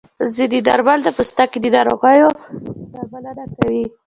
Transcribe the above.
ځینې درمل د پوستکي د ناروغیو درملنه کوي.